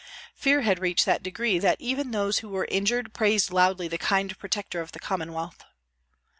Fear had reached that degree that even those who were injured praised loudly the kind protector of the Commonwealth.